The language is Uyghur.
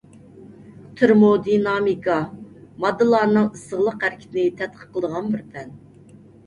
تېرمودىنامىكا — ماددىلارنىڭ ئىسسىقلىق ھەرىكىتىنى تەتقىق قىلىدىغان بىر پەن.